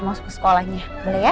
masuk ke sekolahnya boleh ya